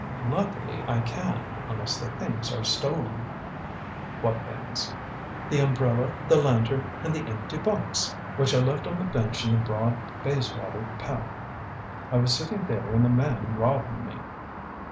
"Luckily I can, unless the things are stolen." "What things?" "The umbrella, the lantern and the empty box, which I left on the bench in the broad Bayswater path. I was sitting there when the man robbed me."